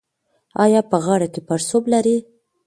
ایا په غاړه کې پړسوب لرئ؟